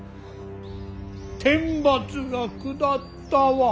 天罰が下ったわ！